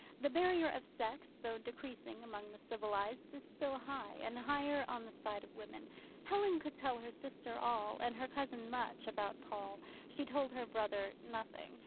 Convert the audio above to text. The barrier of sex, though decreasing among the civilized, is still high, and higher on the side of women. Helen could tell her sister all, and her cousin much about Paul; she told her brother nothing.